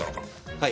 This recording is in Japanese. はい。